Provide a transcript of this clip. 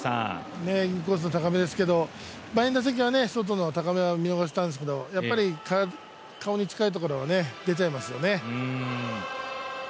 インコースの高めですけど前の打席は外の高めを見逃したんですけどやっぱり、顔に近いところは出ちゃいますよね。